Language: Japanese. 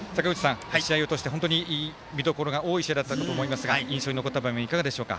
試合を通して、本当に見どころが多い試合だったかと思いますが印象に残った場面いかがでしょうか。